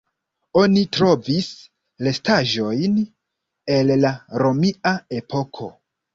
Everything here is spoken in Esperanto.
Oni trovis restaĵojn el la romia epoko.